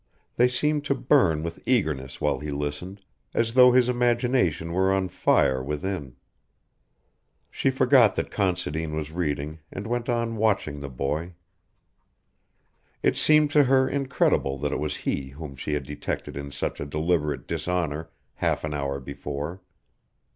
They seemed to burn with eagerness while he listened, as though his imagination were on fire within. She forgot that Considine was reading and went on watching the boy. It seemed to her incredible that it was he whom she had detected in such a deliberate dishonour half an hour before.